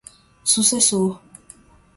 sucessor